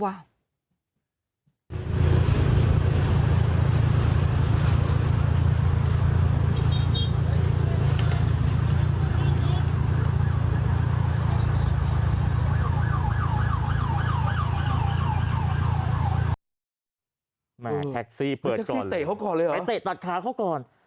แท็กซี่เปิดแท็กซี่เตะเขาก่อนเลยเหรอไปเตะตัดขาเขาก่อน